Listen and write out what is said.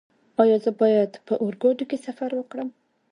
ایا زه باید په اورګاډي کې سفر وکړم؟